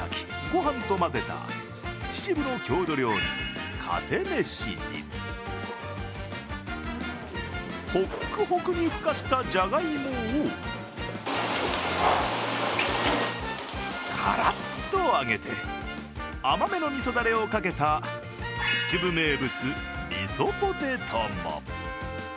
御飯と混ぜた秩父の郷土料理、かて飯にほっくほくにふかしたジャガイモをカラッと揚げて、甘めのみそだれをかけた秩父名物、みそポテトも。